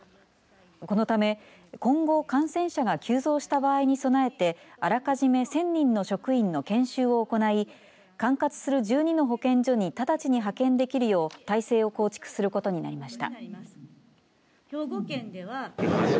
このため、今後感染者が急増した場合に備えてあらかじめ１０００人の職員の研修を行い管轄する１２の保健所にただちに派遣できるよう体制を構築することになりました。